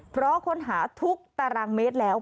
เพราะค้นหาทุกตารางเมตรแล้ว